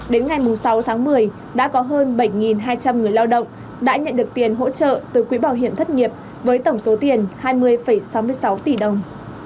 đến ngày sáu tháng một mươi đã có hơn bảy hai trăm linh người lao động đã nhận được tiền hỗ trợ từ quỹ bảo hiểm thất nghiệp với tổng số tiền hai mươi sáu mươi sáu tỷ đồng